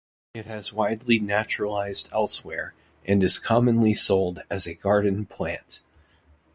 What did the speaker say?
It has widely naturalised elsewhere and is commonly sold as a garden plant.